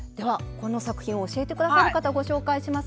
この作品を教えて下さる方ご紹介します。